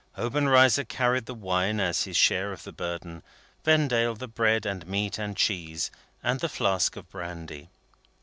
Obenreizer carried the wine as his share of the burden; Vendale, the bread and meat and cheese, and the flask of brandy.